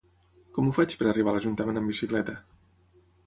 Com ho faig per arribar a l'Ajuntament amb bicicleta?